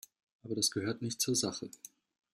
Aber das gehört nicht zur Sache.